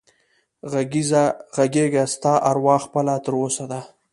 غږېږه ستا اروا خپله تر اوسه ده